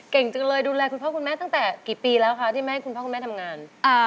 เขาก็เต็มจะไม่บอกว่าจะไปผ่านทำงาน